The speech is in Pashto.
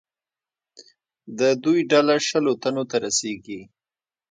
د دوی ډله شلو تنو ته رسېږي.